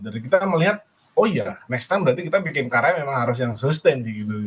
jadi kita melihat oh ya next time berarti kita bikin karya memang harus yang sustain gitu